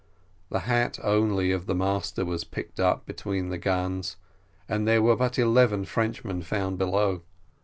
The hat only of the master was picked up between the guns, and there were but eleven Frenchmen found below.